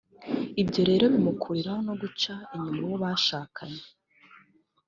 Ibyo rero bimukururira no guca inyuma uwo bashakanye